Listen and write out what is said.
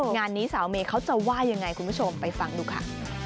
งานนี้สาวเมย์เขาจะว่ายังไงคุณผู้ชมไปฟังดูค่ะ